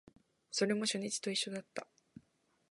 それも初日と一緒だった